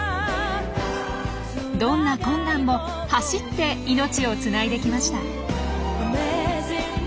どんな困難も走って命をつないできました。